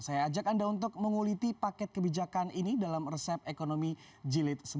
saya ajak anda untuk menguliti paket kebijakan ini dalam resep ekonomi jilid sebelas